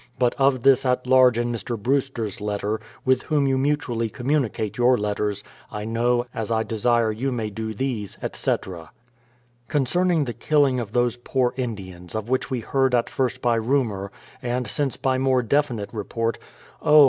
But of this at large in Mr. Brewster's letter, with whom you mutually communi cate your letters, I know, as I desire i'ou may do these, etc. Concerning the killing of those poor Indians, of which we heard at first by rumour, and since by more definite report, oh